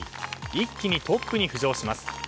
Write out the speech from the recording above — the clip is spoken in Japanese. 一気にトップに浮上します。